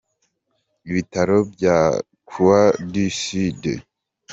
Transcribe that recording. Ibitaro bya La Croix du Sud.